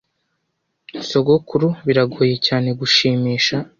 Sogokuru biragoye cyane gushimisha.